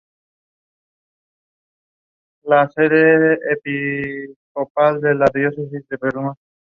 No existe el movimiento de enroque.